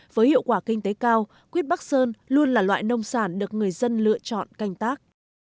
với hiệu quả kinh tế cao quýt bắc sơn luôn là loại nông sản được người dân lựa chọn canh tác